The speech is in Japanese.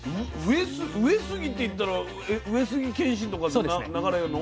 上杉って言ったら上杉謙信とかの流れの？